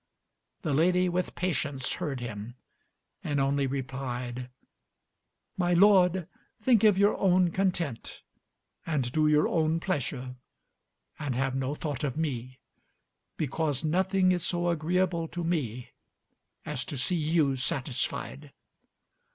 The lady with patience heard him, and only replied, "My lord! think of your own content, and do your own pleasure, and have no thought of me; because nothing is so agreeable to me as to see you satisfied."